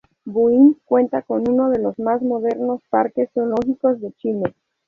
Buin cuenta con uno de los más modernos parques zoológicos de Chile.